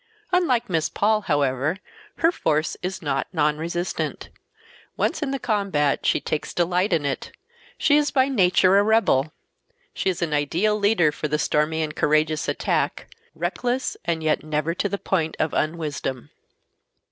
Unlike Miss Paul, however, her force is not nonresistant. Once in the combat she takes delight in it; she is by nature a rebel. She is an ideal leader for the stormy and courageous attack—reckless and yet never to the point of unwisdom.